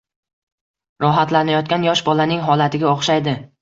Rohatlanayotgan yosh bolaning holatiga o’xshaydi